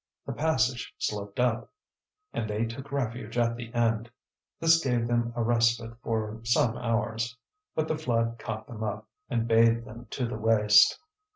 The passage sloped up, and they took refuge at the end. This gave them a respite for some hours. But the flood caught them up, and bathed them to the waist.